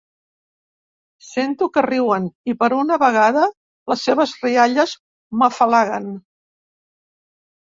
Sento que riuen, i per una vegada les seves rialles m'afalaguen.